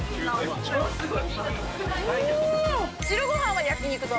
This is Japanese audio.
白ご飯は焼き肉と。